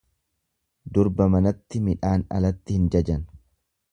Durba manatti midhaan alatti hin jajan.